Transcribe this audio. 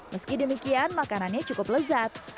meski demikian makanannya cukup lezat